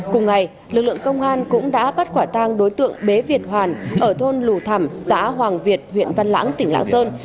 cùng ngày lực lượng công an cũng đã bắt quả tang đối tượng bế việt hoàn ở thôn lù thẩm xã hoàng việt huyện văn lãng tỉnh lãng sơn